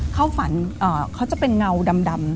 เข้าฝันเขาจะเป็นเงาดำ